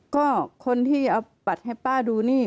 ก็คนที่เอาบัตรให้ป้าดูนี่